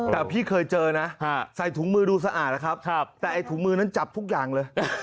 แต่พี่เคยเจอนะใส่ถุงมือดูสะอาดนะครับแต่ไอ้ถุงมือนั้นจับทุกอย่างเลย